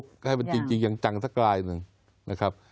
ก็ให้มันจริงจังสักรายหนึ่งนะครับ